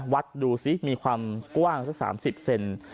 วัดดูซิมีความกว้างสัก๓๐เซน